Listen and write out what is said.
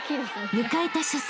［迎えた初戦。